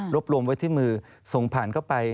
บรวมไว้ที่มือส่งผ่านเข้าไป